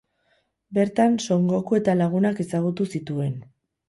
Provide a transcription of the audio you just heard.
Bertan Son Goku eta lagunak ezagutu zituen.